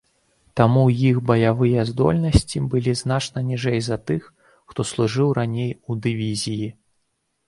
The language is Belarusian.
Таму іх баявыя здольнасці былі значна ніжэй за тых, хто служыў раней у дывізіі.